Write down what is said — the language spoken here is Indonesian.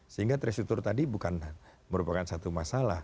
sehingga terstruktur tadi bukan merupakan satu masalah